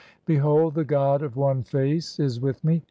"Behold, the god of One Face is with me.